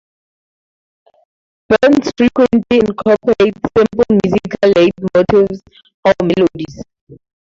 Burns frequently incorporates simple musical leitmotifs or melodies.